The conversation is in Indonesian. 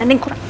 ada yang kurang